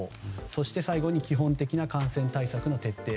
そして最後に基本的な感染対策の徹底。